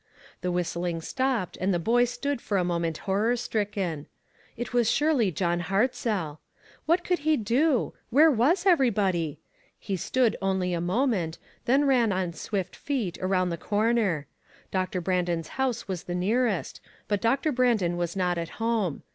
The whistling stopped, and the boy stood for a moment horror stricken. It was surely John Hartzell. What could he do? 462 ONE COMMONPLACE DAY. Where was everybody? He. stood only a moment, then ran on swift feet around the corner. Doctor Brandon's house was the nearest, but Doctor Brandon was not at home.